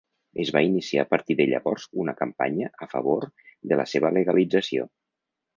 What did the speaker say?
Es va iniciar a partir de llavors una campanya a favor de la seva legalització.